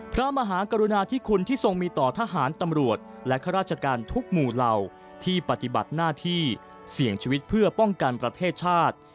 พระมหากรุณาธิคุณที่ทรงมีต่อทหารตำรวจและข้าราชการทุกหมู่เหล่าที่ปฏิบัติหน้าที่เสี่ยงชีวิตเพื่อป้องกันประเทศชาติ